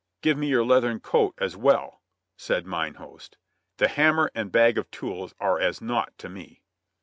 "Give me your leathern coat as well," said mine host, sharply; "the hammer and tools are as naught to me."